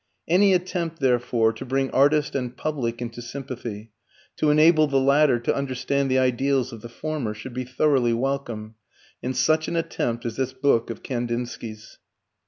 Any attempt, therefore, to bring artist and public into sympathy, to enable the latter to understand the ideals of the former, should be thoroughly welcome; and such an attempt is this book of Kandinsky's.